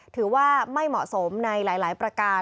ถือว่าไม่เหมาะสมในหลายประการ